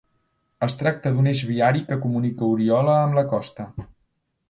Es tracta d'un eix viari que comunica Oriola amb la costa.